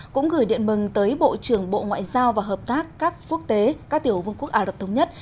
cũng gửi điện mừng tới bộ trưởng bộ ngoại giao và hợp tác các quốc tế các tiểu vương quốc ả rập thống nhất